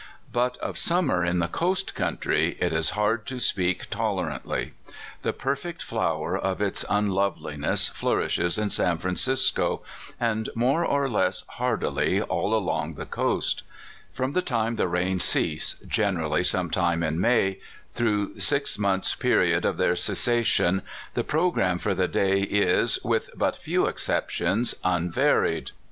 But of summer in the coast country it is hard to speak tolerarjtly. The perfect flower of its unloveliness flourishes in San. Francisco, and, more or less hardily, all along the (204) THE CLIMATE OF CALIFORNIA. 205 coast. From the time the rains cease generally some time in May through the six months' period of their cessation, the programme for the day is, with but few exceptions, unvaried.